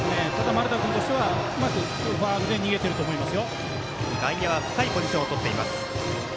丸田君としてはうまくファウルで逃げていると思います。